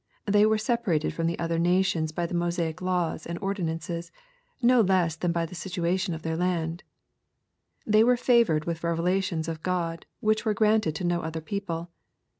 They were separated from other nations by the Mosaic laws and ordinances, no less than by the situation of their land. They were favored with revelations of God, which were granted to no other people.